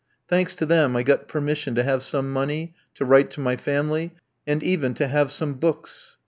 Thanks to them I got permission to have some money, to write to my family, and even to have some books.